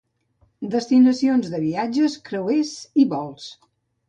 Destinacions de viatges, creuers i vols.